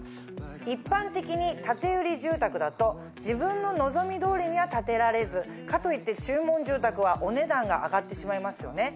一般的に建売住宅だと自分の望み通りには建てられずかといって注文住宅はお値段が上がってしまいますよね。